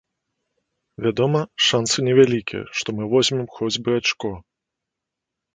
Вядома, шанцы невялікія, што мы возьмем хоць бы ачко.